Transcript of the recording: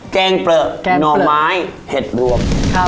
แกโปะหน่อไม้เหดรวม